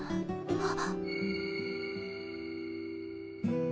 あっ。